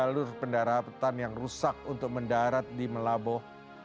mengenai sulitnya mengakses jalur pendaratan yang rusak untuk mendarat di melabuh